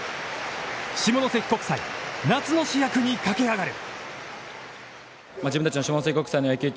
下関国際、夏の主役に駆け上がる。